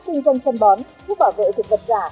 kinh doanh phân bón thuốc bảo vệ thực vật giả